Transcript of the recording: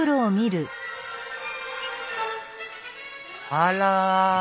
あら。